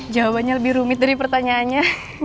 jawabannya lebih rumit dari pertanyaannya